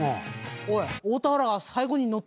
「おい」